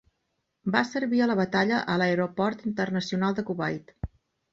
Va servir a la batalla a l'aeroport internacional de Kuwait.